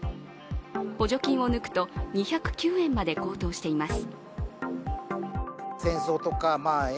補助金を抜くと２０９円まで高騰しています。